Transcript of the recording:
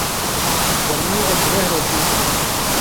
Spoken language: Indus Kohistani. گرمِیں اېک لہروک ای تھی۔